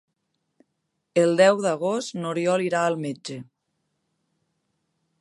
El deu d'agost n'Oriol irà al metge.